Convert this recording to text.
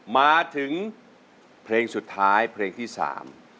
มาถึงเพลงสุดท้ายเพลงที่สาม